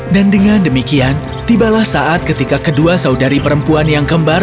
dan dengan demikian tibalah saat ketika kedua saudari perempuan yang kembar